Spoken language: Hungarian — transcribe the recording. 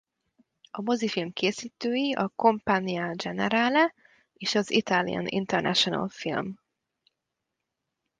A mozifilm készítői a Compagnia Generale és az Italian International Film.